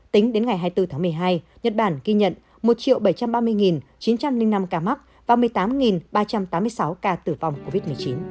tính đến ngày hai mươi bốn tháng một mươi hai nhật bản ghi nhận một bảy trăm ba mươi chín trăm linh năm ca mắc và một mươi tám ba trăm tám mươi sáu ca tử vong covid một mươi chín